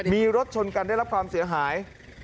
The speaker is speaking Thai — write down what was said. มีรถชนกันได้รับความเสียหาย